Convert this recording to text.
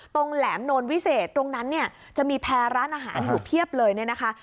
แหลมโนลวิเศษตรงนั้นเนี่ยจะมีแพร่ร้านอาหารอยู่เพียบเลยเนี่ยนะคะ